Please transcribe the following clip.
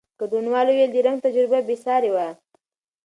ګډونوالو وویل، د رنګ تجربه بېساري وه.